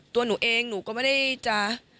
ตัวหนูเองหนูก็ไม่ได้จะ